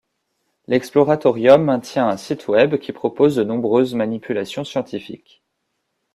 L'Exploratorium maintient un site web qui propose de nombreuses manipulations scientifiques.